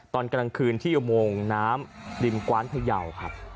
ตอนกลางคืนที่อุโมงน้ำริมกว้านพยาวครับ